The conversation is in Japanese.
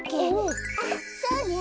あっそうね。